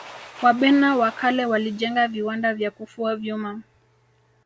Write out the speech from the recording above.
wabena wa kale walijenga viwanda vya kufua vyuma